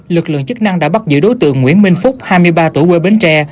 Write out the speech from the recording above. lực lượng chức năng đã bắt giữ đối tượng nguyễn minh phúc hai mươi ba tuổi quê bến tre